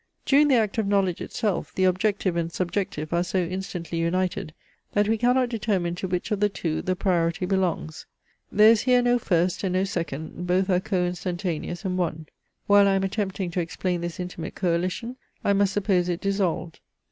During the act of knowledge itself, the objective and subjective are so instantly united, that we cannot determine to which of the two the priority belongs. There is here no first, and no second; both are coinstantaneous and one. While I am attempting to explain this intimate coalition, I must suppose it dissolved.